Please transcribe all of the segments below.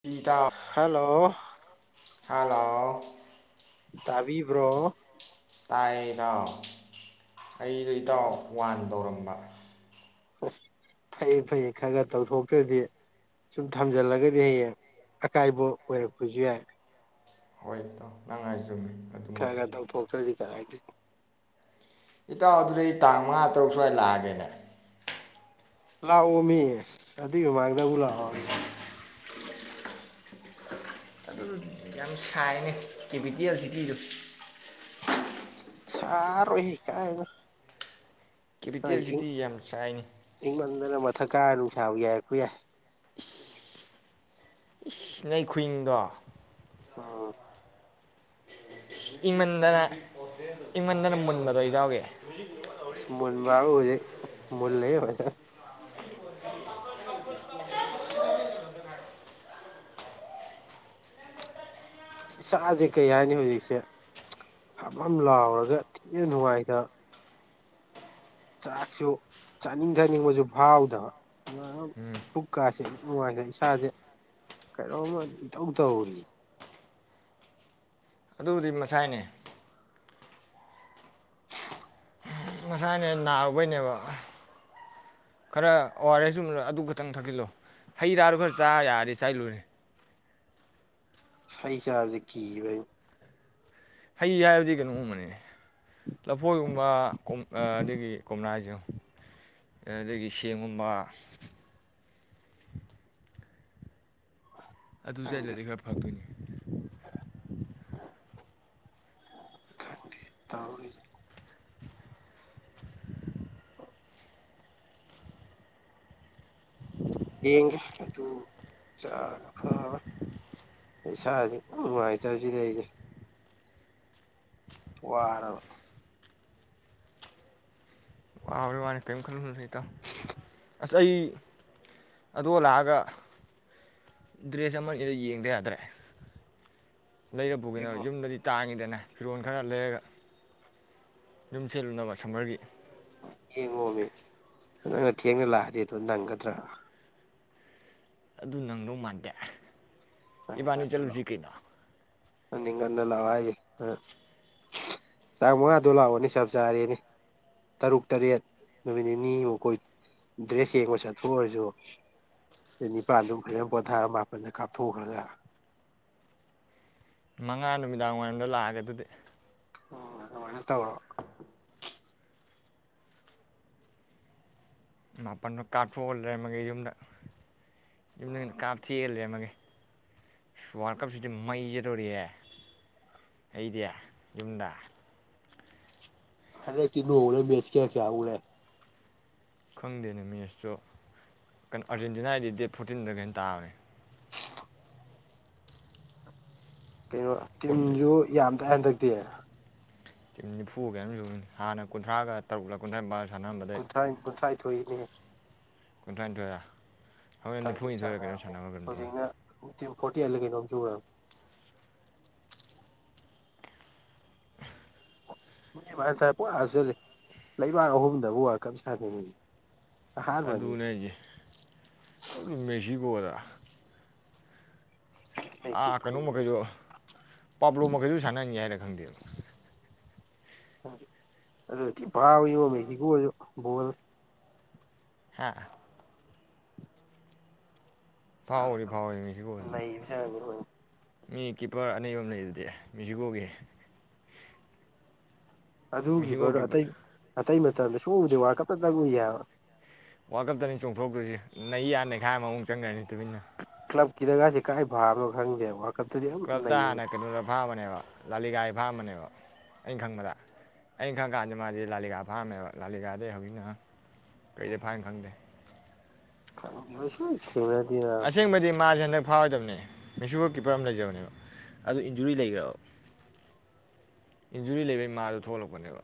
ꯏꯇꯥꯎ hello hello ꯇꯕꯤꯕ꯭ꯔꯣ ꯇꯥꯏꯩꯅ ꯑꯩꯗꯣ ꯏꯇꯥꯎ ꯋꯥꯟ ꯇꯧꯔꯝꯃꯦ [unintelligible] ꯐꯩꯌꯦ ꯐꯩꯌꯦ ꯈꯔ ꯈꯔ ꯇꯧꯊꯣꯛꯇ꯭ꯔꯗꯤ ꯁꯨꯝ ꯊꯝꯖꯤꯜꯂꯒꯗꯤ ꯍꯌꯦꯡ ꯑꯀꯥꯏꯕ ꯑꯣꯏꯔꯛꯄꯁꯨ ꯌꯥꯏ ꯍꯣꯏ ꯏꯣ ꯅꯪꯉꯥꯏꯖꯨꯝꯃꯤ ꯈꯔ ꯈꯔꯗꯧ ꯄꯣꯛꯇ꯭ꯔꯗꯤ ꯀꯔꯥꯏꯗꯦ ꯏꯇꯥꯎ ꯑꯗꯨꯗꯤ ꯑꯩ ꯇꯥꯡ ꯃꯉꯥ ꯇꯔꯨꯛ ꯁ꯭ꯋꯥꯏꯗ ꯂꯥꯛꯑꯒꯦꯅꯦ ꯂꯥꯛꯑꯣ ꯃꯤ ꯑꯗꯨꯏ ꯃꯃꯥꯡꯗ ꯗꯕꯨ ꯂꯥꯛꯑꯣ ꯑꯗꯨ ꯌꯥꯝ ꯁꯥꯏꯅꯦ ꯀꯦꯄꯤꯇꯦꯜ ꯁꯤꯇꯤꯗꯣ ꯁꯥꯔꯣꯏ ꯍꯦ ꯀꯥꯏ ꯀꯦꯄꯤꯇꯦꯜ ꯁꯤꯇꯤꯖꯦ ꯌꯥꯝ ꯁꯥꯏꯅꯦ ꯊꯛꯀꯥꯔ ꯅꯨꯡꯁꯥꯕꯨ ꯌꯥꯏꯔꯛꯄ ꯌꯥꯏ [unintelligible] ꯈꯨꯏꯪꯗꯣ ꯑꯣ ꯏꯪꯃꯟꯗꯅ ꯏꯪꯃꯟꯗꯅ ꯃꯨꯟꯕꯗꯣ ꯏꯇꯥꯎꯒꯤ ꯃꯨꯟꯕꯥꯕꯨ ꯍꯧꯖꯤꯛ ꯃꯨꯜꯂꯦ ꯐꯖꯅ ꯏꯁꯥꯁꯦ ꯀꯩ ꯍꯥꯏꯅꯤ ꯍꯧꯖꯤꯛꯁꯦ ꯍꯝ ꯍꯝ ꯂꯥꯎꯔꯒ ꯊꯤꯅ ꯅꯨꯡꯉꯥꯏꯇꯕ ꯆꯥꯛꯁꯨ ꯆꯥꯅꯤꯡ ꯊꯥꯅꯤꯡꯕꯁꯨ ꯐꯥꯎꯗꯕ ꯑꯗꯨ ꯄꯨꯛꯀꯥꯁꯦ ꯅꯨꯡꯉꯥꯏꯇꯦ ꯏꯁꯥꯁꯦ ꯀꯩꯅꯣꯝꯃ ꯏꯇꯧ ꯇꯧꯔꯤ ꯑꯗꯨꯕꯨꯗꯤ ꯃꯁꯥꯏꯅꯦ ꯃꯁꯥꯏꯅꯦ ꯅꯥꯔꯨꯕꯩꯅꯦꯕ ꯈꯔ ꯑꯣꯋꯥꯔꯦꯁꯨ ꯑꯗꯨ ꯈꯛꯇꯪ ꯊꯛꯆꯜꯂꯣ ꯍꯩꯔꯥꯗꯣ ꯈꯔ ꯆꯥ ꯌꯥꯔꯗꯤ ꯆꯥꯏꯂꯨꯨꯔꯦ ꯍꯩ ꯆꯥꯕꯗꯤ ꯀꯤꯕꯑꯩ ꯍꯩ ꯍꯥꯏꯕꯗꯤ ꯀꯩꯅꯣꯒꯨꯝꯕꯅꯤꯅꯦ ꯂꯐꯣꯏꯒꯨꯝꯕ ꯑꯗꯒꯤ ꯀꯣꯝꯂꯥꯁꯨ ꯑꯗꯒꯤ ꯁꯦꯝꯦꯡꯒꯨꯝꯕ ꯑꯗꯨ ꯈꯪꯗꯦ ꯆꯠꯂꯗꯤ ꯈꯔ ꯐꯪꯗꯣꯏꯅꯤ ꯈꯟꯗꯦ ꯇꯧꯔꯤ ꯌꯦꯡꯒꯦ ꯑꯗꯨ ꯆꯥ ꯐꯕ ꯏꯁꯥꯥꯁꯦ ꯅꯨꯡꯉꯥꯏꯇꯕꯁꯤꯗ ꯑꯩꯁꯦ ꯋꯥꯔꯕ ꯃꯥꯅꯤ ꯀꯔꯤꯝ ꯈꯜꯂꯨꯅꯨꯗ ꯏꯇꯥꯎ ꯑꯁ ꯑꯩ ꯑꯗꯣ ꯂꯥꯛꯑꯒ ꯗ꯭ꯔꯦꯁ ꯑꯃꯅꯤꯅꯤꯗ ꯌꯦꯡꯗ ꯌꯥꯗ꯭ꯔꯦ ꯂꯩꯔ ꯄꯨꯒꯤꯅ ꯌꯦꯡꯉꯣ ꯌꯨꯝꯗꯗꯤ ꯇꯥꯡꯉꯤꯗꯅ ꯐꯤꯔꯣꯟꯈꯔ ꯂꯩꯔꯒ ꯌꯨꯝ ꯁꯦꯠꯂꯨꯅꯕ ꯁꯝꯃꯔꯒꯤ ꯌꯦꯡꯉꯣꯃꯦ ꯅꯪꯅ ꯊꯦꯡꯅ ꯂꯥꯛꯑꯗꯤ ꯑꯗꯨ ꯅꯪꯒꯗ꯭ꯔꯥ ꯑꯗꯨ ꯅꯪꯗꯧ ꯃꯥꯟꯗꯦ ꯏꯕꯥꯥꯅꯤ ꯆꯠꯂꯨꯁꯤ ꯀꯩꯅꯣ ꯑꯅꯤ ꯉꯟꯅ ꯂꯥꯛꯑꯣ ꯍꯥꯏꯁꯦ ꯑ ꯇꯥꯡ ꯃꯉꯥꯗꯣ ꯂꯥꯛꯑꯣꯅꯦ ꯆꯞ ꯆꯥꯔꯦꯅꯦ ꯇꯔꯨꯛ ꯇꯔꯦꯠ ꯅꯨꯃꯤꯠ ꯅꯤꯅꯤꯃꯨꯛ ꯀꯣꯏ ꯗ꯭ꯔꯦꯁ ꯌꯦꯡꯕ ꯆꯠꯊꯣꯛꯑꯔꯁꯨ ꯅꯤꯄꯜꯗꯨꯝ ꯐꯖꯅ ꯄꯣꯊꯥꯔꯒ ꯃꯥꯄꯟꯗ ꯀꯥꯞ [unintelligible] ꯃꯉꯥ ꯅꯨꯃꯤꯗꯥꯡ ꯋꯥꯏꯔꯝꯗ ꯂꯥꯛꯑꯒꯦ ꯑꯗꯨꯗꯤ [unintelligible] ꯃꯥꯄꯟꯅ ꯀꯥꯞꯊꯣꯛꯑ ꯂꯩꯔꯝꯃꯒꯦ ꯌꯨꯝꯗ [unintelligible] ꯀꯥꯞꯊꯤꯑ ꯂꯩꯔꯝꯃꯒꯦ ꯋꯥꯔꯜ ꯀꯞꯁꯤꯗꯤ ꯃꯩꯆꯠꯗꯣꯔꯤꯑꯦ ꯑꯩꯗꯤ ꯌꯨꯝꯗ ꯑꯔꯦ ꯀꯅ ꯑꯣꯔꯦ ꯃꯦꯆ ꯀ ꯀꯌꯥ ꯎꯔꯦ ꯈꯪꯗꯦꯅꯦ ꯃꯦꯠꯁꯇꯨ ꯀꯩꯅꯣ ꯑꯥꯔꯖꯦꯟꯇꯤꯅꯥꯒꯤꯗꯤ ꯗꯦꯠ ꯐꯣꯔꯇꯤꯟꯗ ꯀꯩꯅꯣ ꯇꯥꯕꯅꯦ ꯀꯩꯅꯣ ꯐꯣꯔꯇꯤꯟ ꯇꯤꯝꯁꯨ ꯌꯥꯝ ꯍꯟꯗꯛꯇꯤ ꯅꯤꯐꯨꯒ ꯁꯨꯅꯤ ꯍꯥꯟꯅ ꯀꯨꯟꯊ꯭ꯔꯥꯒ ꯇꯔꯨꯛꯀ ꯀꯨꯟꯊ꯭ꯔꯥꯝꯄꯥꯟ ꯀꯨꯟꯊꯥꯏ ꯀꯨꯟꯊꯥꯏ ꯊꯣꯛꯏꯅꯦ ꯀꯨꯟꯊꯔꯥꯅꯤꯊꯣꯏꯔꯥ ꯍꯣꯔꯦꯟ ꯀꯨꯟꯊ꯭ꯔꯥꯅꯤꯊꯣꯏ ꯅꯤꯐꯨꯅꯤꯊꯣꯏꯔꯒ ꯀꯩꯅꯣ ꯁꯥꯟꯅꯔꯕꯅꯦ ꯁꯥꯟꯅꯕ ꯀꯩꯅꯣꯗꯣ ꯍꯧꯖꯤꯛꯅ ꯇꯤꯝ ꯐꯣꯔꯇꯤ ꯑꯩꯠꯂꯥ ꯀꯩꯅꯣꯝ ꯁꯨꯈꯔ꯭ꯕꯅꯤ ꯄꯞꯦ ꯂꯩꯕꯥꯛ ꯑꯍꯨꯝꯗꯕꯨ ꯋꯥꯔꯜ ꯀꯝ ꯁꯥꯅꯩꯌ ꯑꯗꯨꯅꯦꯁ ꯑꯗꯨ ꯃꯦꯛꯁꯤꯀꯣꯗ ꯑꯥ ꯃꯦꯛꯁꯤꯀꯣ ꯀꯩꯅꯣ ꯃꯈꯩꯁꯨ ꯄꯥꯞꯂꯣ ꯃꯈꯩꯁꯨ ꯁꯥꯟꯅꯅꯤ ꯍꯥꯏꯅ ꯈꯪꯗꯦꯕ [unintelligible] ꯍꯥ ꯐꯥꯎꯔꯤ ꯐꯥꯎꯔꯤ ꯃꯦꯁꯤꯀꯣꯁꯨ ꯅꯩꯕꯖꯥꯠꯅꯤ ꯂꯣꯏꯅ ꯃꯤ ꯀꯤꯞꯄꯔ ꯑꯅꯤꯍꯨꯝ ꯂꯩ ꯑꯗꯨꯗꯤ ꯃ꯭ꯌꯨꯖꯤꯀꯣꯒꯤ ꯑꯗꯨ ꯀꯤꯄꯥꯔ ꯑꯇꯩ ꯑꯇꯩ ꯃꯥ [unintelligible] ꯁꯨꯛ ꯎ ꯎꯗꯦ ꯋꯥꯜꯀꯞ ꯇꯥꯡ ꯎꯌꯦ ꯍꯥꯏꯕ ꯋꯥꯔꯜ ꯀꯞꯇꯅꯤ ꯆꯣꯡꯊꯣꯛꯇꯣꯏꯁꯤ ꯅꯩ ꯌꯥ ꯅꯩꯈꯥꯏ ꯑꯃꯃꯨꯛ ꯆꯪꯈ꯭ꯔꯅꯤ ꯇꯨꯃꯤꯟꯅ꯫ ꯀꯂꯞ ꯀꯤꯗꯒꯁꯦ ꯀꯥꯏ ꯐꯥꯕꯅꯣ ꯈꯪꯗꯦꯕ ꯀꯂꯞꯇ ꯍꯥꯟꯅ ꯀꯩꯅꯣꯗ ꯐꯥ ꯑꯃꯅꯦꯕ ꯂꯥꯂꯤꯒꯥꯏ ꯐꯥꯏꯑꯃꯅꯦꯕ ꯑꯩꯅ ꯈꯪꯕꯗ ꯑꯩꯅ ꯈꯪꯀꯥꯟꯗ ꯃꯥꯗꯤ ꯂꯥꯂꯤꯀꯥ ꯐꯥꯔꯝꯃꯦꯕ ꯂꯥꯂꯤꯀꯥꯗꯩ ꯍꯧꯖꯤꯛꯅ ꯀꯔꯤꯗ ꯐꯥꯔꯤꯝꯅ ꯈꯪꯗꯦ [unintelligible] ꯑꯁꯦꯡꯕꯗꯤ ꯃꯥꯁꯦ ꯍꯟꯗꯛ ꯐꯥꯎꯔꯣꯏꯗꯕꯅꯦ ꯃꯦꯁꯤꯀꯣ ꯀꯤꯞꯄꯔ ꯑꯃ ꯂꯩꯖꯕꯅꯦꯕ ꯑꯗꯨ ꯏꯟꯖꯨꯔꯤ ꯂꯩꯈ꯭ꯔꯕ ꯏꯟꯖꯨꯔꯤ ꯂꯩꯕꯒꯤ ꯃꯥꯗꯣ ꯊꯣꯛꯂꯛꯄꯅꯦꯕ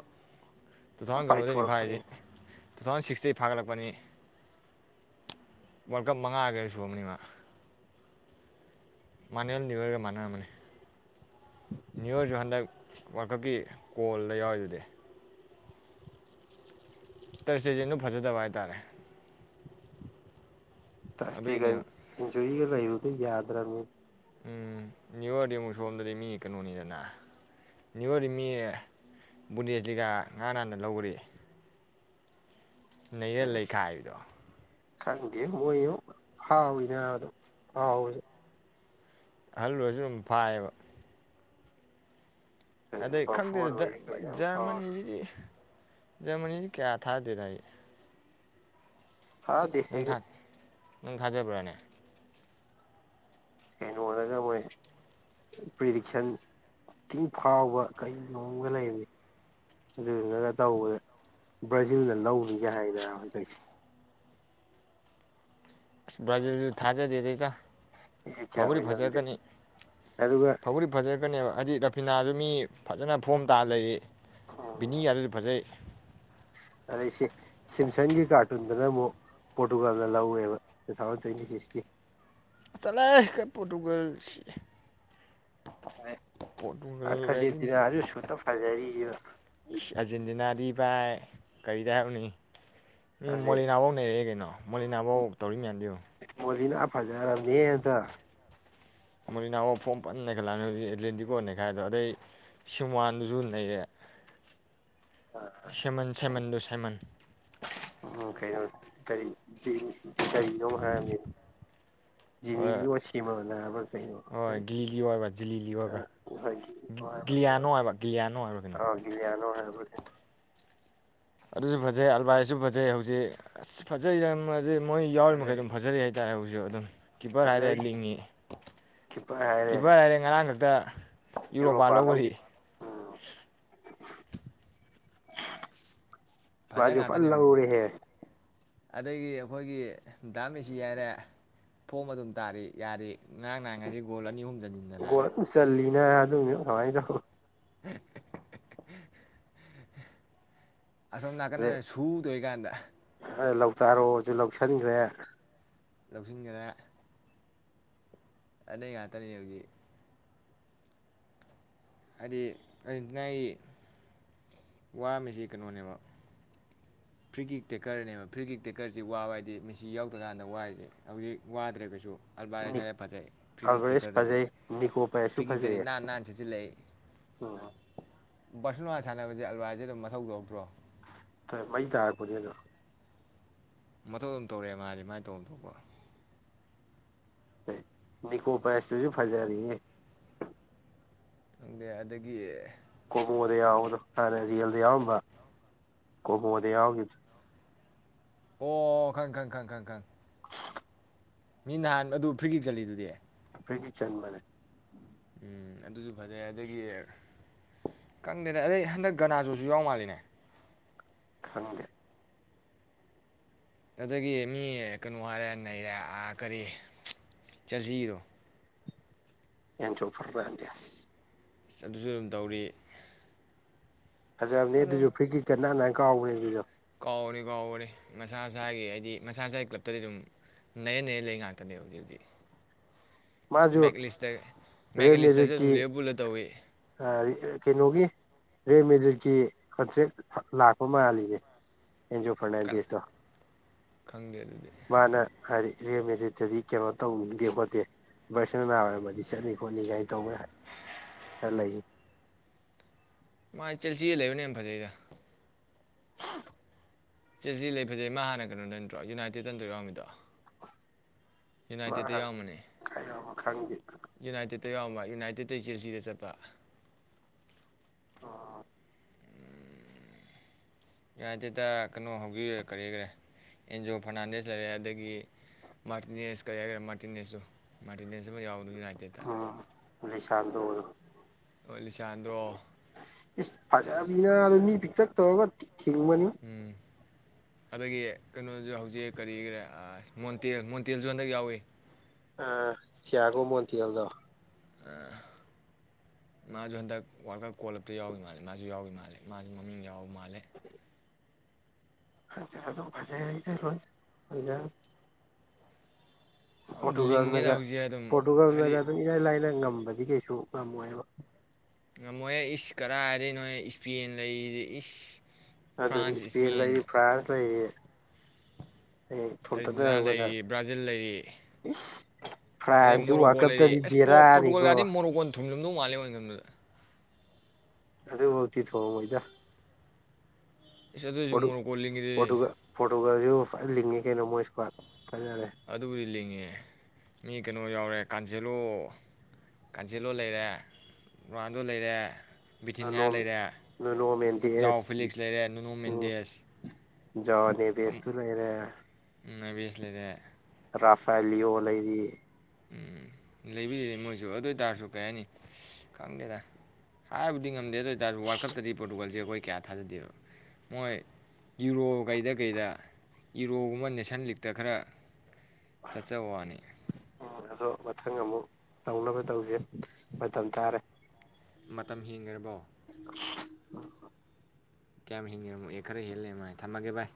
ꯇꯨꯊꯥꯎ ꯀꯩꯅꯣꯗꯒꯤ ꯄꯥꯏꯊꯣꯔꯛꯄꯅꯤ ꯐꯥꯔꯤꯗꯤ ꯇꯨ ꯊꯥꯎꯖꯟ ꯁꯤꯛꯁ ꯇꯩ ꯐꯥꯒꯠꯂꯛꯄꯅꯤ ꯋꯥꯔꯜꯀꯞ ꯃꯉꯥꯒ ꯁꯨꯔꯝꯅꯤ ꯃꯥ ꯃꯥꯟꯅꯦꯟꯂꯤꯕꯦꯔꯒ ꯃꯥꯟꯅꯔꯝꯕꯅꯤ ꯅ꯭ꯌꯔꯁꯨ ꯍꯟꯗꯛ ꯋꯥꯜꯀꯞꯀꯤ ꯀꯣꯜꯗ ꯌꯥꯎꯔꯤꯗꯨꯗꯤ ꯇꯔꯁꯇꯦꯁꯦ ꯗꯨ ꯐꯖꯗꯕ ꯍꯥꯏꯇꯥꯔꯦ ꯇꯥꯁꯇꯦꯒꯥꯟ ꯑꯗꯨꯒꯤꯅꯦꯕ ꯏꯟꯖꯨꯔꯤ ꯂꯩꯕꯗꯩꯩ ꯌꯥꯗꯔꯝꯅꯤ ꯎꯝ ꯅ꯭ꯌꯨ ꯌꯔꯗꯤ ꯑꯃꯨꯛ ꯁꯣꯝꯗꯗꯤ ꯃꯤ ꯀꯩꯅꯣꯅꯤꯗꯅ ꯅ꯭ꯌꯨ ꯌꯔꯗꯤ ꯃꯤ ꯕꯨꯟꯗꯦꯖꯂꯤꯒ ꯉꯔꯥꯡ ꯅꯍꯥꯟꯗ ꯂꯧꯈꯔꯦ꯫ ꯅꯩꯔ ꯂꯩꯈꯥꯏꯕꯤꯗꯣ ꯈꯪꯗꯦ ꯃꯣꯏ ꯍꯥꯎꯋꯤꯗꯗꯣ ꯍꯥꯎꯋꯗ ꯑꯍꯜ ꯑꯣꯏꯔꯁꯨ ꯑꯗꯨꯝ ꯐꯥꯏꯌꯦꯕ ꯑꯗꯩ ꯕꯐꯣꯔ ꯈꯪꯗꯦꯗ ꯑꯣꯏ ꯀꯩ ꯌꯥꯝ ꯐꯥꯎꯋꯦ ꯖꯔꯃꯟꯁꯤꯗꯤ ꯖꯔꯃꯟꯅꯤ ꯁꯤ ꯀꯌꯥ ꯊꯥꯖꯗꯦꯗ ꯑꯩ ꯊꯥꯖꯗꯦ ꯅꯪ ꯑꯩꯁꯨ ꯊꯥ ꯅꯪ ꯊꯥꯖꯕꯔꯅꯦ ꯀꯩꯅꯣꯗꯒ ꯃꯣꯏ ꯄ꯭ꯔꯤꯗꯤꯛꯁꯟ ꯏꯇꯤꯡ ꯐꯥꯎꯕ ꯀꯔꯤꯣꯝꯒ ꯂꯩꯕꯅꯤ ꯑꯗꯨꯗꯨꯅꯒ ꯇꯧꯕꯗ ꯕ꯭ꯔꯥꯖꯤꯜꯅ ꯂꯧꯅꯤꯒꯦ ꯍꯥꯏꯅꯕ ꯍꯟꯗꯛꯁꯦ ꯕꯥꫪꯖꯤꯜꯁꯨ ꯊꯥꯖꯗꯦꯗ ꯏꯇꯥꯎ ꯀꯌꯥ ꯑꯣꯏꯅꯔꯝꯗꯦ ꯑꯗꯨꯒ ꯆꯠꯀꯅꯦꯕ ꯍꯥꯏꯗꯤ ꯔꯐꯤꯅꯥꯁꯨ ꯃꯤ ꯐꯖꯅ ꯐꯣꯝ ꯇꯥꯔ ꯂꯩꯔꯤ ꯕꯤꯅꯤꯒꯗꯨꯁꯨ ꯐꯖꯩ ꯑꯗꯩꯁꯤ ꯁꯤꯝꯁꯪꯒꯤ ꯀꯥꯔꯇꯨꯟꯗꯨꯅ ꯑꯃꯨꯛ ꯄꯣꯔꯇꯨꯒꯥꯟꯗ ꯂꯧꯋꯦꯕ ꯇꯨ ꯊꯥꯎꯖꯟ ꯇ꯭ꯋꯦꯟꯇꯤ ꯁꯤꯛꯁꯀꯤ ꯆꯂꯍꯦ ꯄꯣꯔꯇꯨꯒꯜꯁꯤ ꯑꯗꯩ ꯄꫭꯔꯇꯨꯒꯜ ꯀꯥꯏ ꯍꯥꯏꯖꯤꯟꯗꯅ ꯑꯥꯔꯖꯦꯟꯇꯤꯅꯥꯁꯨ ꯁꯨꯠꯇ ꯐꯖꯔꯤꯕ ꯑꯔꯖꯦꯟꯇꯤꯅꯥꯗꯤ ꯕꯥꯏ ꯀꯔꯤꯗꯦ ꯎꯅꯤ ꯎꯝ ꯑꯗꯩ ꯃꯣꯂꯤꯅꯥ ꯐꯧ ꯅꯩꯔꯛꯑꯦ ꯀꯩꯅꯣ ꯃꯣꯏꯂꯤ ꯅꯥꯐꯧ ꯇꯧꯔꯤ ꯌꯥꯟꯗꯣ ꯐꯖꯥꯔꯕꯅꯤ ꯍꯦ ꯍꯟꯗꯛ ꯑꯃ ꯏꯅꯥꯎꯋꯥ ꯐꯣꯝ ꯐꯟꯅꯈꯠꯂꯛ ꯑꯦꯂꯦꯟꯗꯤꯀꯣꯅꯦ ꯈꯥꯏꯗꯣ ꯑꯗꯩ ꯁꯤꯝꯋꯥꯟꯗꯨꯁꯨ ꯅꯩꯌꯦ ꯁꯦꯝꯃꯦꯟ ꯁꯦꯃꯦꯟꯗꯣꯁ ꯍꯦꯃꯟ ꯎꯝ ꯀꯩꯅꯣ ꯀꯔꯤ ꯀꯔꯤꯅꯣ ꯍꯥꯏꯔꯅꯤ ꯍꯣꯏ ꯖꯤꯅꯤꯂꯤ ꯁꯦꯝꯃꯕ ꯍꯥꯏꯕ꯭ꯔꯥ ꯀꯩꯅꯣꯏ ꯍꯣꯏ ꯒꯤꯂꯤꯂꯤ ꯑꯣꯏꯕ꯭ꯔꯥ ꯖꯤꯂꯤꯂꯤ ꯑꯣꯏꯕ꯭ꯔꯥ ꯍꯥꯏꯕ꯭ꯔꯥ ꯀꯩꯅꯣ ꯒꯤꯂꯤꯌꯥꯅꯣ ꯍꯥꯏꯕ ꯒꯤꯂꯤꯌꯥꯅꯣ ꯍꯥꯏꯕ꯭ꯔꯥ ꯀꯩꯅꯣ ꯑꯥ ꯒꯤꯂꯌꯥꯅꯣ ꯍꯥꯏꯕ꯭ꯔꯥꯩꯅꯣ ꯑꯗꯨꯁꯨ ꯐꯖꯩ ꯑꯜꯕꯥꯔꯤꯖꯁꯨ ꯐꯖꯩ ꯍꯧꯖꯤꯛ ꯑꯁ ꯐꯖꯩ ꯌꯥꯝ ꯑꯗꯨ ꯃꯣꯏ ꯌꯥꯎꯔꯤ ꯃꯈꯩ ꯐꯖꯩ ꯑꯗꯨꯝ ꯐꯖꯔ ꯍꯥꯏꯗꯤ ꯍꯥꯏꯇꯥꯔꯦ ꯍꯧꯁꯨ ꯑꯗꯨꯝ ꯀꯤꯞꯄꯔ ꯍꯥꯏꯔꯦ ꯐꯖꯩ ꯂꯤꯡꯉꯤ ꯀꯤꯞꯄꯔ ꯍꯥꯏꯔꯦ ꯉꯔꯥꯡ ꯈꯛꯇ ꯗ ꯌꯨꯔꯣꯄꯥ ꯌꯔꯣꯄꯥꯂꯒꯔꯤ ꯂꯧꯈꯤꯗꯦ ꯎꯝ ꯐꯖ ꯖꯨ ꯐꯜ ꯉꯥꯛꯇꯅꯦ ꯍꯧꯖꯤꯛ ꯂꯧꯔꯦꯍꯦ ꯑꯗꯒꯤ ꯑꯩꯈꯣꯏꯒꯤ ꯗꯥꯃꯤꯁꯤ ꯍꯥꯏꯔꯦ ꯐꫭꯝ ꯑꯗꯨꯝ ꯇꯥꯔꯤ ꯌꯥꯔꯤ ꯉꯔꯥꯡ ꯅꯍꯥꯡ ꯍꯥꯏꯁꯤ ꯒꯣꯜ ꯑꯅꯤ ꯑꯍꯨꯝ ꯆꯟꯁꯤꯟꯗꯅ ꯒꫭꯜ ꯑꯗꯨꯝ ꯆꯜꯂꯤ ꯌꯥ ꯑꯗꯨꯉꯥꯏꯗ [inaudible] ꯑꯁꯣꯝ ꯑꯗꯩ ꯅꯥꯀꯟꯗ ꯁꯨ ꯇꯣꯏꯔꯤꯀꯥꯟꯗ ꯇꯥꯔꯣꯁꯨ ꯂꯧꯁꯤꯟꯈ꯭ꯔꯦ ꯂꯧꯁꯤꯟꯈꯔꯦ ꯑꯅꯩ ꯉꯥꯛꯇꯅꯤ ꯍꯧꯖꯤꯛ ꯍꯥꯏꯗꯤ ꯑꯔꯖꯦꯟꯇꯤꯅꯥꯒꯤ ꯋꯥꯔꯝꯃꯤꯁꯤ ꯀꯩꯅꯣꯅꯦꯕ ꯐ꯭ꯔꯤꯒꯤ ꯇꯦꯛꯀꯔꯅꯦꯕ ꯐ꯭ꯔꯤꯖꯤꯛ ꯇꯦꯛꯀꯔꯁꯤ ꯋꯥꯕ ꯍꯥꯏꯗꯤ ꯃꯤꯁꯤ ꯌꯥꯎꯗ꯭ꯔ ꯀꯀꯥꯟꯗ ꯋꯥꯔꯤꯁꯦ ꯍꯧꯖꯤꯛ ꯋꯥꯗ꯭ꯔꯒꯁꯨ ꯑꯜꯕꯥꯔꯁꯥꯗ ꯐꯖꯩ ꯐ꯭ꯔꯤꯀꯤꯛꯇꯤ ꯑꯜꯚꯔꯦꯁ ꯈꯔꯗꯗꯤ ꯐꯖꯩ ꯅꯤꯀꯣ ꯄꯥꯏꯁꯁꯨ ꯐꯤꯔꯤꯀꯤꯛꯇꯗꯤ ꯐꯖꯩꯌꯦ ꯅꯥꯟ ꯅꯥꯟ ꯁꯤꯠ ꯁꯤꯂ ꯎꯝ ꯁꯟꯅꯨꯡ ꯁꯥꯟꯅꯕꯁꯦ ꯑꯜꯋꯥꯏꯖꯦ ꯑꯗꯨꯝ ꯃꯊꯧ ꯇꯧꯔꯛꯇ꯭ꯔꯣ ꯃꯩ ꯇꯥꯔꯛꯄꯅꯦ ꯑꯗꯨꯝ ꯃꯇꯧ ꯑꯗꯨꯝ ꯇꯧꯔꯛꯑꯦ ꯃꯥꯗꯤ ꯃꯥꯏ ꯇꯧꯐꯝ ꯊꯣꯛꯄ ꯅꯤꯀꯣ ꯄꯁ ꯇꯣꯁꯨ ꯐꯖꯥꯔꯦꯍꯦ ꯈꯪꯗꯦ ꯑꯗꯒꯤ ꯀꯣꯃꯣꯗ ꯌꯥꯎꯕꯗꯣ ꯍꯥꯟꯅ ꯔꯤꯌꯦꯜꯗ ꯌꯥꯎꯔꯝꯕ ꯀꯣꯃꯣꯗ ꯌꯥꯎꯈꯤꯕꯗꯨ ꯑꯣ ꯈꯪ ꯈꯪ ꯈꯪ ꯈꯪ ꯈꯪ ꯃꯤ ꯅꯍꯥꯟ ꯑꯗꯨ ꯐ꯭ꯔꯤꯒꯤ ꯆꯠꯂꯤꯗꯨꯗꯤ ꯐꯒꯤ ꯆꯟ ꯃꯅꯦ ꯎꯝ ꯑꯗꯨꯁꯨ ꯐꯖꯩ ꯑꯗꯒꯤ ꯀꯪꯗꯦꯅ ꯑꯗꯩ ꯍꯟꯗꯛ ꯒꯅꯥꯖꯁꯨ ꯌꯥꯎ ꯃꯥꯜꯂꯤꯅꯦ ꯈꯪꯗꯦ ꯑꯗꯒꯤ ꯃꯤ ꯀꯩꯅꯣ ꯍꯥꯏꯔꯦ ꯅꯩꯔꯦ ꯀꯔꯤ ꯆꯠꯁꯤꯔꯣ ꯌꯥꯝ ꯆꯣꯡꯄꯔ꯭ꯔꯗ ꯑꯗꯨꯁꯨ ꯑꯗꯨꯝ ꯇꯧꯔꯤ ꯐꯖꯕꯅꯦ ꯑꯗꯨꯁꯨ ꯐ꯭ꯔꯤ ꯀꯤꯀꯠ ꯅꯥ ꯀꯧꯏꯕ ꯍꯩꯖ ꯀꯥꯎꯕ ꯀꯥꯎꯕꯅꯤ ꯃꯁꯥ ꯃꯁꯥꯒꯤ ꯍꯥꯏꯗꯤ ꯃꯁꯥ ꯃꯁꯥꯒꯤ ꯀ꯭ꯂꯞꯇꯗꯤ ꯑꯗꯨꯝ ꯅꯌꯦ ꯅꯟ ꯂꯩ ꯉꯥꯛꯇꯅꯦ ꯍꯧꯖꯤꯛ ꯍꯧꯖꯤꯛ ꯃꯥꯁꯨ ꯃꯦꯛ ꯂꯤꯁꯇ ꯃꯦꯛ ꯂꯤꯁꯇꯁꯨ ꯔꯦꯜꯃꯦꯖꯤꯛꯀꯤ ꯑꯗꯨꯝ ꯂꯤꯚꯔꯄꯨꯜꯗ ꯇꯧꯋꯤ ꯀꯩꯅꯣꯒꯤ ꯔꯦꯃꯦꯦꯗꯤꯠꯀꯤ ꯀꯟꯇ꯭ꯔꯦꯛ ꯂꯥꯛꯄ ꯃꯥꯜꯂꯤꯅꯦ ꯑꯦꯟꯖꯣ ꯀꯅꯥ ꯐꯔꯅꯦꯟꯗꯤꯁꯇ ꯈꯪꯗꯦ ꯑꯗꯨꯗꯤ ꯃꯥꯅ ꯍꯥꯏꯗꯤ ꯔꯦꯜꯃꯦꯖꯤꯛꯇꯗꯤ ꯀꯩꯅꯣ ꯇꯧꯅꯤꯡꯗꯦ ꯈꯣꯠꯇꯦ [unintelligible] ꯑꯃꯗꯤ ꯆꯠꯅꯤ ꯈꯣꯠꯅꯤ ꯀꯥꯏꯅ ꯇꯧꯕ ꯈꯔ ꯂꯩ ꯃꯥ ꯆꯦꯁꯤꯜꯗ ꯂꯪꯕꯅ ꯐꯖꯩꯗ ꯁꯦ ꯁꯤ ꯂꯩ ꯐꯖꯩ ꯃꯥ ꯍꯥꯟꯅ ꯀꯩꯅꯣꯗ ꯅꯠꯇ꯭ꯔꯣ ꯌꯨꯅꯥꯏꯇꯦꯠꯇ ꯅ꯭ꯔꯣ ꯌꯥꯎꯔꯝꯃꯤꯗꯣ ꯃꯥ ꯌꯨꯅꯥꯏꯇꯦꯠꯇ ꯍꯥꯟꯅ ꯌꯥꯝꯕꯅꯦ ꯀꯥꯏ ꯌꯥꯎꯕ ꯈꯪꯗꯦ ꯌꯨꯅꯥꯏꯇꯦꯠ ꯗꯩ ꯆꯦꯜꯁꯤꯗ ꯆꯠꯄ ꯑ ꯌꯨꯅꯥꯏꯇꯦꯠꯇ ꯀꯩꯅꯣ ꯍꯧꯈꯤꯕꯦ ꯀꯔꯤꯈꯔꯦ ꯑꯦꯟꯖꯤꯣ ꯐꯔꯅꯥꯟꯗꯦꯁ ꯂꯩꯔꯦ ꯑꯗꯒꯤ ꯃꯥꯔꯇꯤꯅꯦꯁ ꯀꯔꯤ ꯍꯥꯏꯒꯦꯔꯦ ꯃꯥꯔꯇꯤꯅꯦꯁꯁꯨ ꯃꯥꯔꯇꯤꯅꯦꯁ ꯑꯃ ꯌꯥꯎ ꯃꯤ ꯔꯆꯦꯇꯥ ꯆꯥꯟꯗꯗꯔꯣ ꯑꯁ ꯐꯖꯕꯤꯅꯥ ꯑꯗꯨ ꯄꯤꯛꯇꯛ ꯇꯕꯒ ꯊꯤꯡꯃꯅꯤ ꯎꯝ ꯑꯗꯒꯤ ꯀꯩꯅꯣꯁꯨ ꯍꯧꯖꯤꯛ ꯀꯔꯤꯒꯤꯔꯦ ꯃꯣꯟꯇꯦꯜ ꯃꯣꯟꯇꯦꯜꯁꯨ ꯍꯟꯗꯛ ꯌꯥꯎꯏꯤ ꯆꯤꯌꯥꯒꯨꯝ ꯃ ꯊꯤꯦꯜꯗꯣ ꯃꯥꯁꯨ ꯍꯟꯗꯛ ꯋꯥꯔꯜ ꯀꯞ ꯀꯣꯜꯂꯞꯇ ꯌꯥꯎꯏꯤ ꯃꯥꯜꯂꯦ ꯃꯥꯁꯨ ꯌꯥꯎꯏ ꯃꯥꯜꯂꯦ ꯃꯥꯁꯨ ꯃꯃꯤꯡ ꯌꯥꯎꯕ ꯃꯥꯜꯂꯦ ꯍꯥꯏ ꯆꯦ ꯇꯣ ꯐꯖꯩ ꯍꯥꯏꯗꯂꯣ ꯂꯣꯏꯅ ꯌꯥꯝ ꯂꯤꯡꯉꯦꯗ ꯄꯣꯔꯇꯨꯒꯜꯅꯒ ꯍꯧꯖꯤꯛ ꯑꯗꯨꯝ ꯄꯣꯔꯇꯨꯒꯜꯅꯒꯥ ꯍꯥꯏꯗꯤ ꯑꯗꯨꯝ ꯏꯔꯥꯏ ꯂꯥꯏꯥ ꯉꯝꯕꯅꯤ ꯑꯗꯨ ꯀꯩꯁꯨ ꯌꯥꯝ ꯅꯨꯡꯉꯥꯏꯕ ꯉꯥꯃꯣꯏꯍꯦ ꯏꯁ ꯀꯗꯥꯥꯏ ꯍꯥꯏꯗꯤ ꯅꯣꯏ ꯏꯁꯄꯦꯟ ꯂꯩꯔꯤꯗꯤ ꯏꯁ ꯑꯗꯨꯅꯤ ꯏꯁꯄꯦꯟ ꯂꯩꯔꯤ ꯐ꯭ꯔꯥꯟꯁ ꯂꯩꯔꯤ ꯑꯩ ꯑꯥꯔꯖꯦꯟꯇꯤꯅꯥ ꯊꯣꯟꯇꯠꯅꯔꯔꯕꯗ ꯂꯩꯔꯤ ꯕ꯭ꯔꯥꯖꯤꯜ ꯂꯩꯔꯤ ꯑꯗꯩ ꯐ꯭ꯔꯥꯟꯁꯀꯤ ꯋꯥꯔꯜꯗ ꯃꯣꯔꯣꯀꯣ ꯀꯞꯇꯗꯤ ꯕꯦꯔꯥꯅꯤꯀꯣ ꯊꯨꯝꯖꯨꯝꯗꯧ ꯃꯥꯜꯂꯦ ꯃꯝꯗꯨꯗ꯫ ꯑꯗꯨꯐꯧꯗꯤ ꯊꯣꯡꯑꯣꯏꯗ ꯏꯁ ꯑꯗꯨꯁꯨ [inaudible] [inaudible] ꯗꯤ ꯌꯣꯒꯥꯁꯨ ꯐꯖ ꯂꯤꯡꯉꯤ ꯀꯩꯅꯣ ꯃꯣꯏ ꯏ꯭ꯁꯀꯋꯥꯠ ꯑꯗꯨꯕꯨꯗꯤ ꯂꯤꯡꯉꯦ ꯃꯤ ꯀꯩꯅꯣ ꯌꯥꯎꯔꯦ ꯀꯥꯟꯖꯦꯜꯂꯣ ꯀꯥꯟꯖꯦꯜꯂꯣ ꯂꯩꯔꯦ ꯔꯣꯅꯥꯜꯗꯣ ꯂꯩꯔꯦ ꯕꯤꯇꯤꯅꯤꯌꯥ ꯂꯩꯔꯦ ꯅꯣꯅꯣ ꯖꯥꯎ ꯃꯦꯟꯗꯦꯁ ꯐꯤꯂꯤꯛꯁ ꯂꯩꯔꯦ ꯅꯨꯨꯅꯨ ꯎꯝ ꯃꯦꯟꯗꯦꯁ [inaudible] ꯂꯩꯔꯦ [unintelligible] ꯔꯥꯐꯂꯤ ꯑꯣ ꯂꯩꯔꯤ ꯎꯝ ꯂꯩꯕꯤ ꯃꯣꯏꯁꯨ ꯑꯗꯨ ꯑꯣꯏ ꯇꯔꯁꯨ ꯀꯩ ꯍꯥꯏꯅꯤ ꯈꯪꯗꯦꯗ ꯍꯥꯏꯕꯨꯗꯤ ꯉ ꯗꯦ ꯗꯨꯑꯣꯏ ꯇꯔꯁꯨ ꯋꯥꯔꯜ ꯀꯞ ꯇꯗꯤ ꯄꯣꯔꯇꯨꯒꯜ ꯍꯧꯖꯤꯛ ꯑꯩꯈꯣꯏ ꯀꯌꯥ ꯊꯥꯖꯗꯦꯕ ꯃꯣꯏ ꯌꯨꯔꯣ ꯀꯩꯗ ꯀꯩꯗ ꯌꯨꯔꯣꯒꯨꯝꯕ ꯅꯦꯁꯟ ꯂꯤꯛꯇ ꯈꯔ ꯆꯠꯆ ꯋꯥꯅꯤ ꯑꯗꯣ ꯃꯊꯪ ꯑꯃꯨꯛ ꯇꯧꯅꯕ ꯇꯧꯁꯦ ꯃꯇꯝ ꯇꯥꯔꯦ ꯃꯇꯝ ꯍꯦꯟꯒꯔꯕꯣ [unintelligible] ꯀꯌꯥꯝ ꯍꯦꯟꯈꯔ꯭ ꯕꯅꯣ ꯑꯦ ꯈꯔ ꯍꯦꯟ ꯂꯩꯔꯝꯃꯦ ꯊꯝꯃꯒꯦ ꯚꯥꯏ